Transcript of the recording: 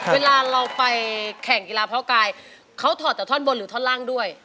เวลาเราไปแข่งกีฬาพ่อกายเขาถอดแต่ท่อนบนหรือท่อนล่างด้วย